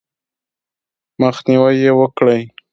مخنیوی یې وکړئ :